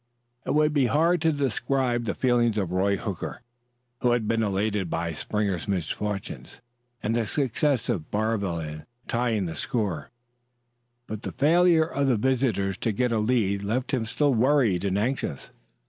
It would be hard to describe the feelings of Roy Hooker. He had been elated by Springer's misfortune and the success of Barville in tying the score, but the failure of the visitors to get a lead left him still worried and anxious.